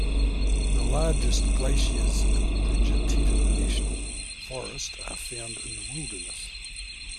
The largest glaciers in Bridger-Teton National Forest are found in the wilderness.